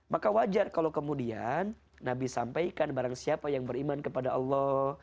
maka wajar kalau kemudian nabi sampaikan barang siapa yang beriman kepada allah